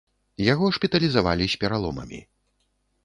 Яго шпіталізавалі з пераломамі.